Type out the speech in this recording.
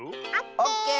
オッケー！